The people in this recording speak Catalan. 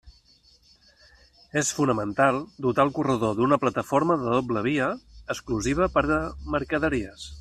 És fonamental dotar el corredor d'una plataforma de doble via exclusiva per a mercaderies.